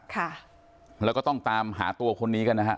ค่ะแล้วก็ต้องตามหาตัวคนนี้กันนะฮะ